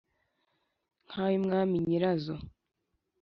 Nk’ay’umwami nyirazo.